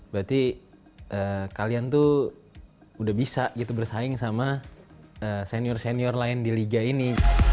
berarti kalian tuh udah bisa gitu bersaing sama senior senior lain di liga ini